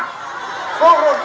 ya sudah malam